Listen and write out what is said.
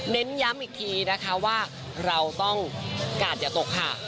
เน้นย้ำอีกทีนะคะว่าเราต้องกาดอย่าตกค่ะ